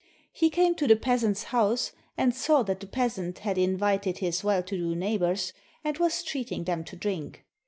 He came to the peasant's house, and saw that the peasant had invited his well to do neighbors, and was treating them to drink.